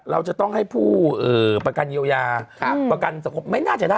เราจะต้องให้ผู้ประกันเยียวยาประกันสังคมไม่น่าจะได้